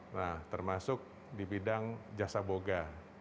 nah termasuk di bidang jasa boga